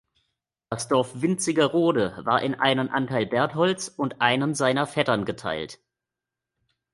Das Dorf Wintzingerode war in einen Anteil Bertholds und einen seiner Vettern geteilt.